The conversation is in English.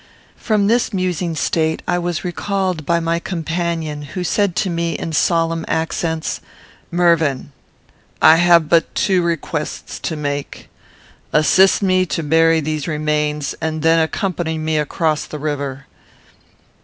From this musing state I was recalled by my companion, who said to me, in solemn accents, "Mervyn! I have but two requests to make. Assist me to bury these remains, and then accompany me across the river.